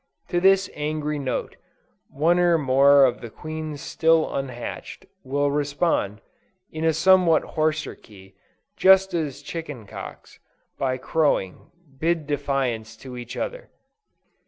To this angry note, one or more of the queens still unhatched, will respond, in a somewhat hoarser key, just as chicken cocks, by crowing, bid defiance to each other.